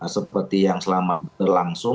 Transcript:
seperti yang selama berlangsung